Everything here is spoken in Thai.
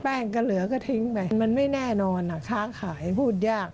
ก็เหลือก็ทิ้งไปมันไม่แน่นอนอ่ะค้าขายพูดยาก